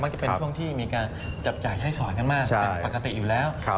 ก็เป็นช่วงที่มีการจับจ่ายใช้สอนกันมากเป็นปกติอยู่แล้ว